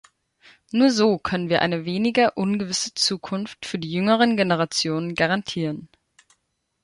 Nur so können wir eine weniger ungewisse Zukunft für die jüngeren Generationen garantieren.